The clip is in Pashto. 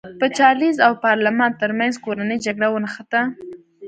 د چارلېز او پارلمان ترمنځ کورنۍ جګړه ونښته.